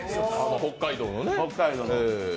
北海道の。